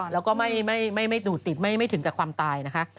แล้วก็ไม่ดูดติดไม่ถึงกับความตายนะคะ